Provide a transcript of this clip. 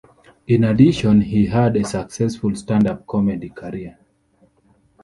In addition, he had a successful stand-up comedy career.